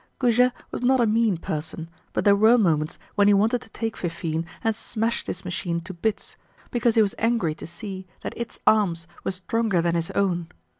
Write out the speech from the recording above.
Goujet was not a mean person, but there were moments when he wanted to take Fifine and smash this machine to bits because he was angry to see that its arms were stronger than his own.